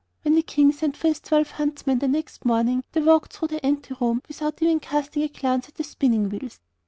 When the King sent for his twelve huntsmen next morning they walked through the ante room without even casting a glance at the spinning wheels.